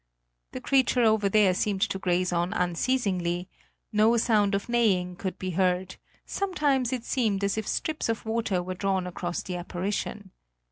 The creature over there seemed to graze on unceasingly; no sound of neighing could be heard; sometimes it seemed as if strips of water were drawn across the apparition.